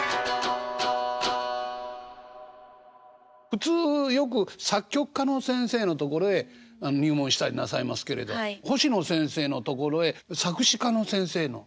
普通よく作曲家の先生のところへ入門したりなさいますけれど星野先生のところへ作詞家の先生の。